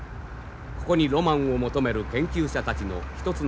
ここにロマンを求める研究者たちの一つの推理がある。